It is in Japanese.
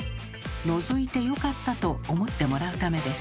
のぞいてよかったと思ってもらうためです。